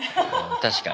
確かに。